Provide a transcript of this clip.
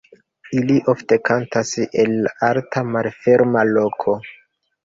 Ili ofte kantas el alta malferma loko.